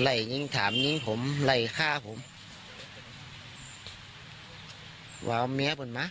ไหล่ยิ่งถามยิ่งผมไหล่ฆ่าผมว้าวเมียเปิดมะ